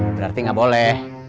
berarti gak boleh